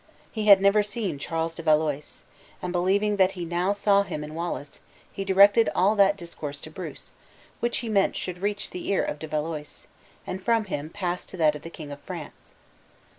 He had never seen Charles de Valois; and believing that he now saw him in Wallace, he directed all that discourse to Bruce, which he meant should reach the ear of De Valois, and from him pass to that of the King of France.